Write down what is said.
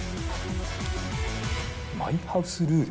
マイハウスルール。